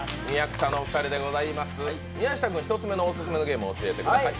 宮下君、１つ目のオススメのゲーム教えてください。